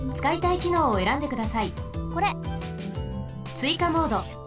ついかモード。